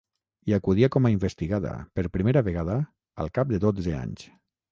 Hi acudia com a investigada, per primera vegada, al cap de dotze anys.